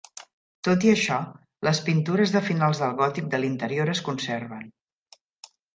Tot i això, les pintures de finals del gòtic de l'interior es conserven.